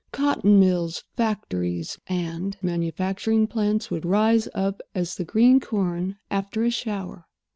Cotton mills, factories, and manufacturing plants would rise up as the green corn after a shower.